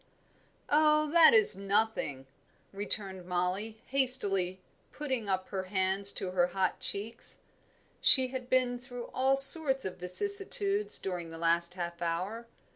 "Oh, that is nothing," returned Mollie, hastily, putting up her hands to her hot cheeks; she had been through all sorts of vicissitudes during the last half hour.